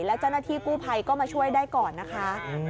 แล้วเจ้าหน้าที่กู้ภัยก็มาช่วยได้ก่อนนะคะ